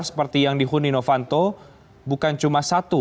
seperti yang dihuni novanto bukan cuma satu